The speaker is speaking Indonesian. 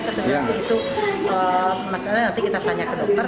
ke subtansi itu masalahnya nanti kita tanya ke dokter